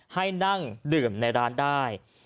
ให้นั่งดื่มในร้านได้